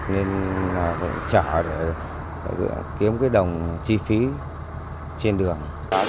nên phải trở để kiếm cái đồng chi phí trên đường